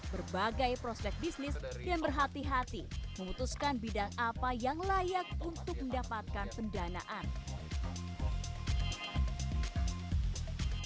berbagai prospek bisnis dan berhati hati memutuskan bidang apa yang layak untuk mendapatkan pendanaan